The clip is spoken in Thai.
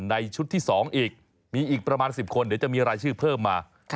ในชุดที่๒อีกมีอีกประมาณ๑๐คนเดี๋ยวจะมีรายชื่อเพิ่มมา